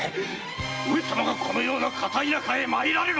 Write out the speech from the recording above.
上様がこのような片田舎へ参られるはずがない！